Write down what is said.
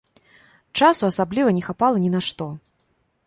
Часу асабліва не хапала ні на што.